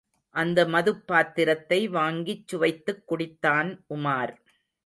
அந்த மதுப்பாத்திரத்தை வாங்கிச் சுவைத்துக் குடித்தான் உமார்.